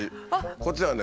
こっちはね